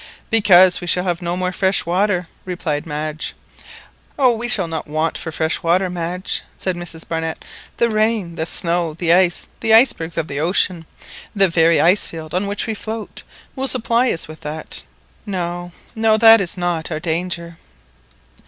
"Because we shall have no more fresh water," replied Madge. "Oh, we shall not want for fresh water, Madge," said Mrs Barnett; "the rain, the snow, the ice, the icebergs of the ocean, the very ice field on which we float, will supply us with that; no, no, that is not our danger."